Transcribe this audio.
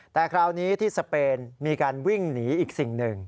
แต่คราวนี้ที่สเปนมีการวิ่งหนีอีกสิ่งหนึ่ง